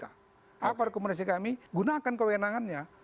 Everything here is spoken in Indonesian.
apa rekomendasi kami gunakan kewenangannya